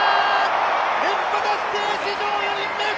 連覇達成、史上４人目。